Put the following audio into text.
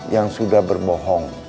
yang sudah berbohong